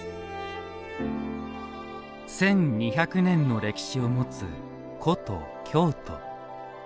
１２００年の歴史を持つ古都・京都。